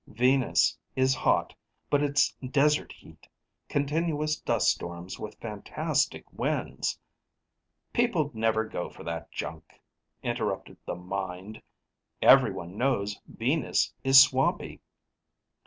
"Venus is hot, but it's desert heat. Continuous dust storms with fantastic winds " "People'd never go for that junk," interrupted the Mind. "Everyone knows Venus is swampy."